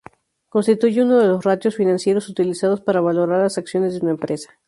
Constituye uno de los ratios financieros utilizados para valorar las acciones de una empresa.